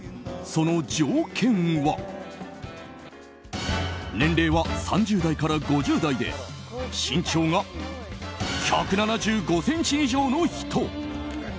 その条件は年齢は３０代から５０代で身長が１７５ｃｍ以上の人。